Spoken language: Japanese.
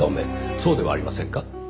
そうではありませんか？